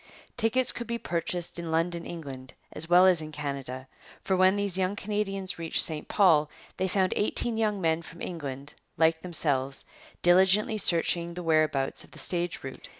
Tickets could be purchased in London, England, as well as in Canada, for when these young Canadians reached St Paul, they found eighteen young men from England, like themselves, diligently searching the whereabouts of the stage route.